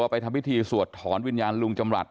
ไปทำพิธีสวดถอนวิญญาณลุงจำรัฐ